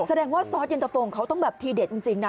แสดงว่าซอสเย็นตะโฟงเขาต้องแบบทีเด็ดจริงนะ